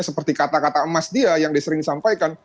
seperti kata kata emas dia yang disering sampaikan